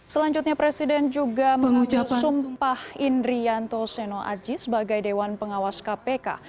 selain itu presiden joko widodo juga mengucapkan sumpah indrianto seno aji sebagai dewan pengawas kpk